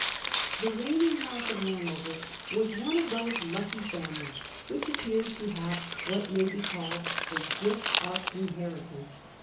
The reigning House of Hanover was one of those lucky families which appear to have what may be called a gift of inheritance.